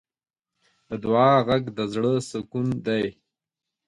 د دعا غږ د زړۀ سکون دی.